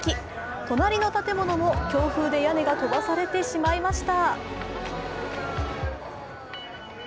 隣の建物も強風で屋根が飛ばされてしまいました。